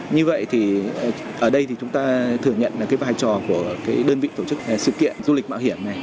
như vậy thì ở đây thì chúng ta thừa nhận là cái vai trò của cái đơn vị tổ chức sự kiện du lịch mạo hiểm này